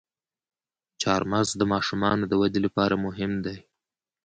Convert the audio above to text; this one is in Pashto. چارمغز د ماشومانو د ودې لپاره مهم دی.